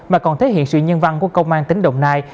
mà còn thể hiện sự nhân văn của công an tỉnh đồng nai